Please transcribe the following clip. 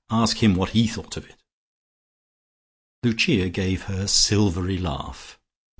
Ask him what he thought of it." Lucia gave her silvery laugh.